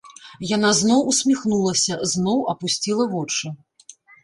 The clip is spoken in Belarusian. Яна зноў усміхнулася, зноў апусціла вочы.